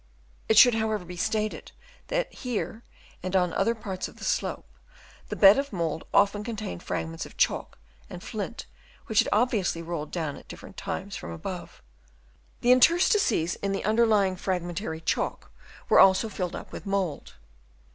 It should however be stated that here and on other parts of the slope, the bed of mould often con tained fragments of chalk and flint which had obviously rolled down at different times from above. The interstices in the under lying fragmentary chalk were also filled up with mould.